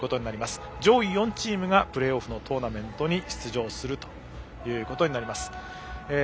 上位４チームがプレーオフのトーナメントに出場することになります。